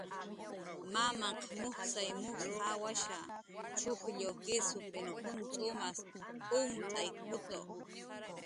Mamanhq mujsay mujs jawasha, chujllu, kisupin juncx'umas umt'aykutu.